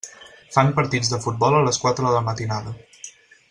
Fan partits de futbol a les quatre de la matinada.